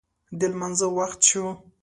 د لمانځه وخت شو